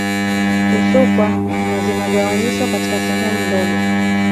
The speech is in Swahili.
Husukwa na zinagawanyishwa katika sehemu ndogo